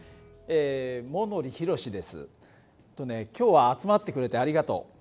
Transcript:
えっとね今日は集まってくれてありがとう。